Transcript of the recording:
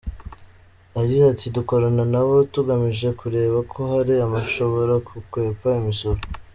Yagize ati: “Dukorana nabo tugamije kureba ko hari abashobora gukwepa imisoro.